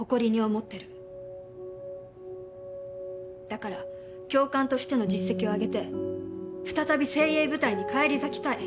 だから教官としての実績を上げて再び精鋭部隊に返り咲きたい。